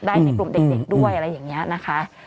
ในกลุ่มเด็กด้วยอะไรอย่างนี้นะคะ